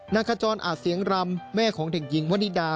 ขจรอาจเสียงรำแม่ของเด็กหญิงวนิดา